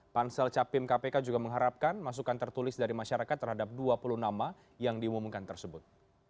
pansel capim kpk juga mengharapkan masukan tertulis dari masyarakat terhadap dua puluh nama yang diumumkan tersebut